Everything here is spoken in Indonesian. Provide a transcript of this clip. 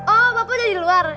oh bapak udah di luar